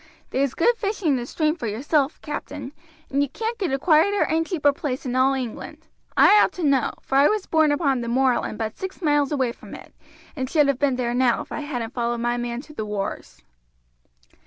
There's good fishing in the stream for yourself, captain, and you can't get a quieter and cheaper place in all England. I ought to know, for I was born upon the moorland but six miles away from it, and should have been there now if I hadn't followed my man to the wars."